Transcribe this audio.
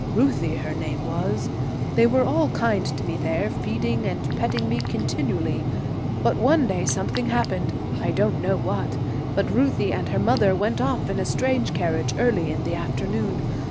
Ruthie her name was. They were all kind to me there, feeding and petting me continually, but one day something happened, I don't know what, but Ruthie and her mother went off in a strange carriage early in the afternoon.